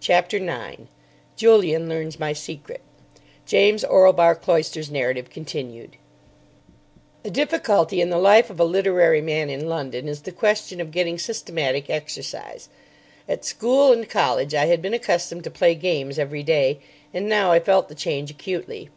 CHAPTER 9 JULIAN LEARNS MY SECRET (James Orlebar Cloyster's narrative continued) A difficulty in the life of a literary man in London is the question of getting systematic exercise. At school and college I had been accustomed to play games every day, and now I felt the change acutely.